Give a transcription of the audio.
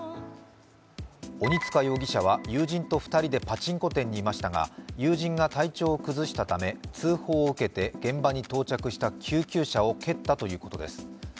鬼束容疑者は友人と２人でパチンコ店にいましたが友人が体調を崩したため通報を受けて現場に到着した救急車を蹴ったということです。